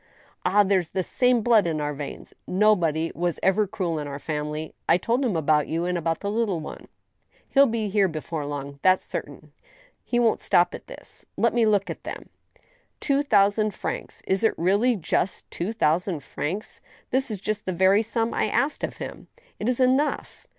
... Ah ! there's the same blood in our veins ; nobody was ever cruel in our family. ... I told him about you, and about the little one. ... He'll be here before long — that's certain. He won't stop at this. ... Let me look at them. •.. Two thousand francs I ... Is it really just two thou sand francs ? That is just the very sum I asked of him. ... It is enough.